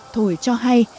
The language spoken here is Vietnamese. thổi cho hay